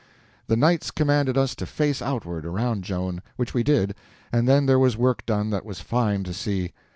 The knights commanded us to face outward around Joan, which we did, and then there was work done that was fine to see.